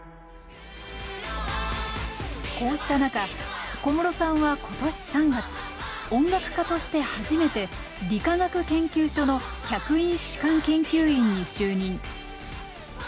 こうした中小室さんは今年３月音楽家として初めて理化学研究所の客員主管研究員に就任。